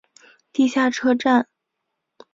地下车站。